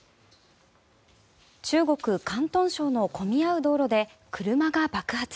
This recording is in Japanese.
中国・広東省の混み合う道路で車が爆発。